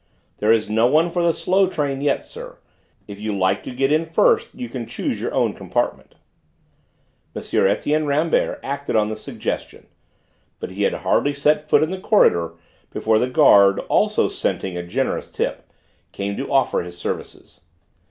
"There is no one for the slow train yet, sir; if you like to get in first you can choose your own compartment." M. Etienne Rambert acted on the suggestion, but he had hardly set foot in the corridor before the guard, also scenting a generous tip, came to offer his services.